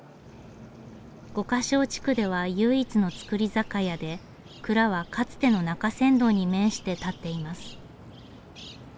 五箇荘地区では唯一の造り酒屋で蔵はかつての中山道に面して建っています。